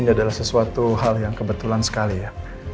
ini adalah sesuatu hal yang kebetulan sekali ya